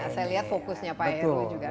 saya lihat fokusnya pak rw juga